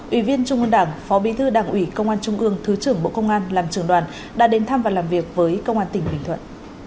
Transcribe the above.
ủy viên trung ương đảng phó bí thư đảng ủy công an trung ương thứ trưởng bộ công an làm trường đoàn đã đến thăm và làm việc với công an tỉnh bình thuận